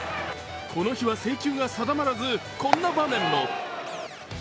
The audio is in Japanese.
この日は制球が定まらず、こんな場面も。